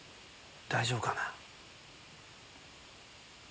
大丈夫かな。